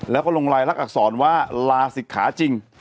แล้วก็ลงลายลักษรว่าลาศิกขาจริง